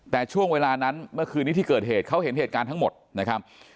แต่ช่วงเวลานั้นเมื่อคืนนี้ที่เกิดเหตุเขาเห็นเหตุการณ์ทั้งหมดนะครับ